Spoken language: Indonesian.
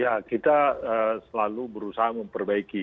ya kita selalu berusaha memperbaiki